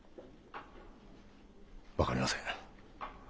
分かりません。